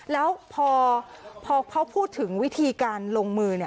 แล้วพอเขาพูดถึงวิธีการลงมือ